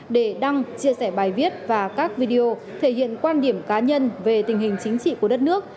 để đăng chia sẻ bài viết và các video thể hiện quan điểm cá nhân về tình hình chính trị của đất nước